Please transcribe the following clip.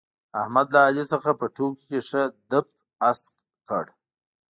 احمد له علي څخه په ټوکو کې ښه دپ اسک کړ.